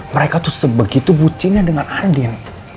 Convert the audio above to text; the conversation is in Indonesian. mereka tuh sebegitu bucinya dengan adil